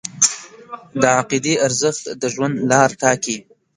د عقیدې ارزښت د ژوند لار ټاکي.